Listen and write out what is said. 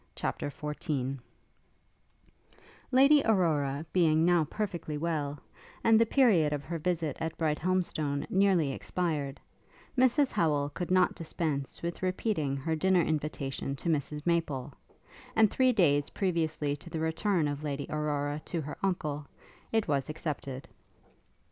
CHAPTER XIV Lady Aurora being now perfectly well, and the period of her visit at Brighthelmstone nearly expired, Mrs Howel could not dispense with repeating her dinner invitation to Mrs Maple; and, three days previously to the return of Lady Aurora to her uncle, it was accepted.